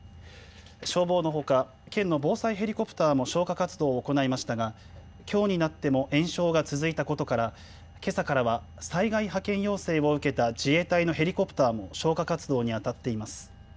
消防のほか県の防災ヘリコプターも消火活動を行いましたがきょうになっても延焼が続いたことからけさからは災害派遣要請を受けた自衛隊のヘリコプターも消火活動にあたっています。